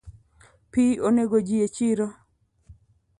Pi onego ji echiro